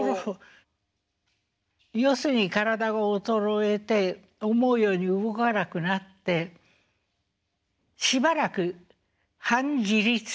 要するに体が衰えて思うように動かなくなってしばらく半自立というべき半分自立ですね。